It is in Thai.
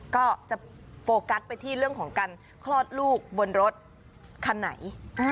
ก็จะโฟกัสไปที่เรื่องของการคลอดลูกบนรถคันไหน